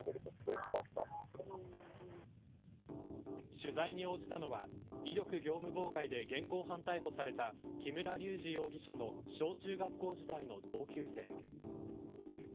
取材に応じたのは威力業務妨害で現行犯逮捕された木村隆二容疑者の小中学校時代の同級生。